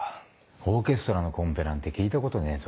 オーケストラのコンペなんて聞いたことねえぞ。